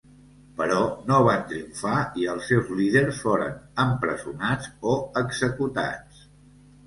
Però no van triomfar i els seus líders foren empresonats o executats.